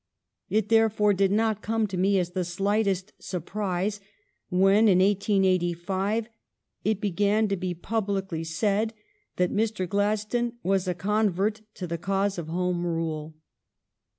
It therefore did not come on me as the slightest surprise when, in 1885, it began to be publicly said that Mr. Gladstone was a convert to the cause of Home Rule.